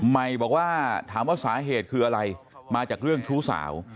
ใหม่บอกว่าถามว่าสาเหตุคืออะไรมาจากเรื่องชู้สาว